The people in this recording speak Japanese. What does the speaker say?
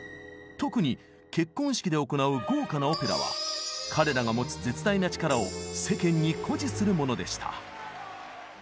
特に結婚式で行う豪華なオペラは彼らが持つ絶大な力を世間に誇示するものでした。